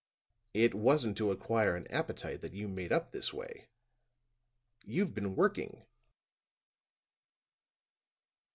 "It wasn't to acquire an appetite that you made up this way. You've been working."